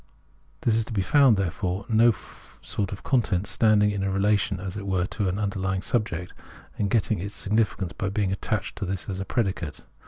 There is to be found, therefore, no sort of content standing in a relation, as it were, to an underlying subject, and getting its significance by being attached to this as a predicate.